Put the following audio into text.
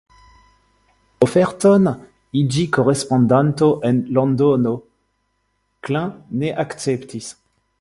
Oferton iĝi korespondanto en Londono Klein ne akceptis.